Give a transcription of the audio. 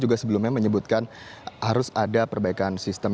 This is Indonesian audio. juga sebelumnya menyebutkan harus ada perbaikan sistem